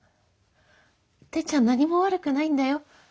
てっちゃん何も悪くないんだよ？